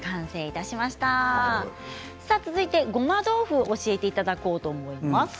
続いて、ごま豆腐を教えていただこうと思います。